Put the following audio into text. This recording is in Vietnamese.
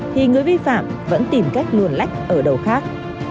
thì người vi phạm vẫn tìm cách luồn lách ở đầu khác